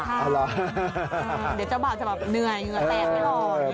เดี๋ยวเจ้าเบาจะเหนื่อยเตะไม่รอ